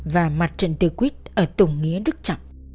và mặt trận tiêu quyết ở tùng nghĩa đức trọng